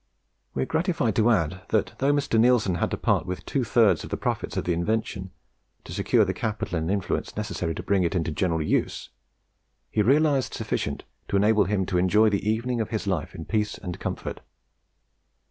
We are gratified to add, that, though Mr. Neilson had to part with two thirds of the profits of the invention to secure the capital and influence necessary to bring it into general use, he realized sufficient to enable him to enjoy the evening of his life in peace and comfort.